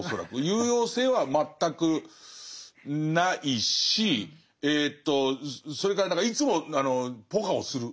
有用性は全くないしえとそれから何かいつもポカをする。